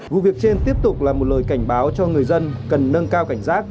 vụ việc trên tiếp tục là một lời cảnh báo cho người dân cần nâng cao cảnh giác